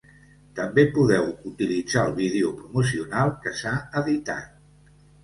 També podeu utilitzar el vídeo promocional que s'ha editat.